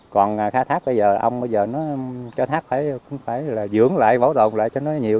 còn khai thác bây giờ ông bây giờ nó cho thác phải là dưỡng lại bảo tồn lại cho nó nhiều